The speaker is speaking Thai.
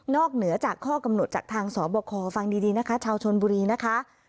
เหนือจากข้อกำหนดจากทางสบคฟังดีนะคะชาวชนบุรีนะคะ